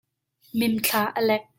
Mimthla a lek.